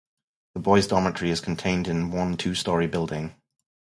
The boys' dormitory is contained in one two-story building.